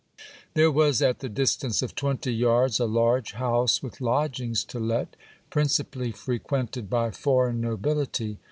There was at the distance of twenty yards a large house with lodgings to let, principally frequented by foreign nobility.